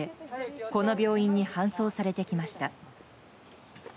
この病院に搬送されてきました。